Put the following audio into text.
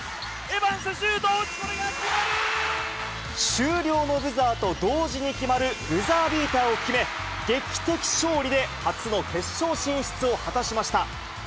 終了のブザーと同時に決まるブザービーターを決め、劇的勝利で初の決勝進出を果たしました。